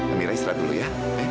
amira istirahat dulu ya